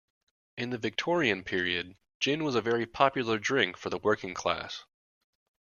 In the Victorian period gin was a very popular drink for the working class